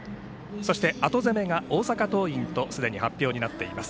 そして、後攻めが大阪桐蔭とすでに発表になっています。